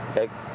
ya terima kasih